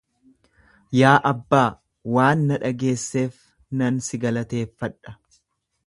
Yaa Abbaa, waan na dhageesseef nan si galateeffadha.